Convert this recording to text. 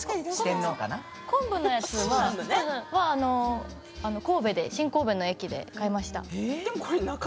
昆布のやつは新神戸駅で買いました。